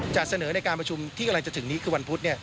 จะเสนอในการประชุมที่กำลังจะถึงนี้คือวันพุธ